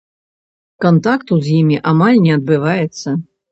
Кантакту з імі амаль не адбываецца.